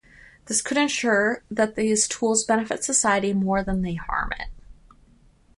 This could ensure that these tools benefit society more than they harm it.